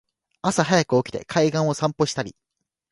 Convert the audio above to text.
朝はやく起きて海岸を散歩したり